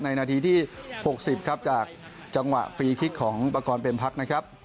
นาทีที่๖๐ครับจากจังหวะฟรีคลิกของประกอบเป็นพักนะครับ